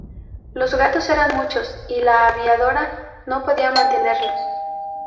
Los gastos eran muchos, y la aviadora no podía mantenerlos.